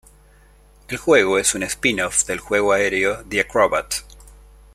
El juego es un spin-off del juego Aero the Acro-Bat.